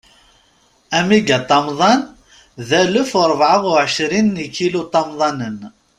Amigaṭamḍan, d alef u rebɛa u ɛecrin n ikiluṭamḍanen.